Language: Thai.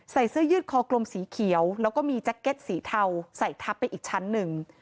เสื้อยืดคอกลมสีเขียวแล้วก็มีแจ็คเก็ตสีเทาใส่ทับไปอีกชั้นหนึ่ง